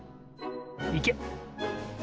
いけ！